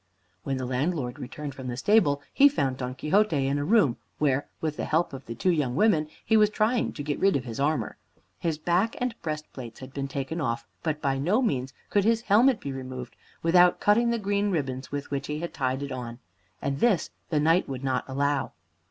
When the landlord returned from the stable, he found Don Quixote in a room, where, with the help of the two young women, he was trying to get rid of his armor. His back and breastplates had been taken off, but by no means could his helmet be removed without cutting the green ribbons with which he had tied it on, and this the Knight would not allow.